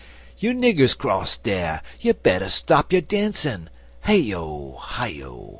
You niggers 'cross dar! you better stop your dancin' (Hey O! Hi O!